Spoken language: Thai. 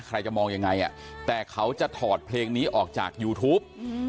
ใครจะมองยังไงแต่เขาจะถอดเพลงนี้ออกจากยูทูป